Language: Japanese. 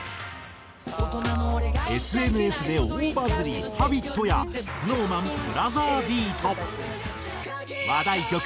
ＳＮＳで大バズり『Ｈａｂｉｔ』やＳｎｏｗＭａｎ『ブラザービート』。